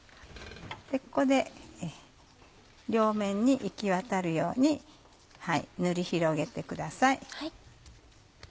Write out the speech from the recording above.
ここで両面に行きわたるように塗り広げてください。